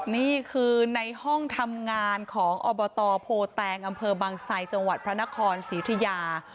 นี่คือในห้องทำงานของอบตโพแตงอำเภอบางไซจังหวัดพระนครศรีอุทิยา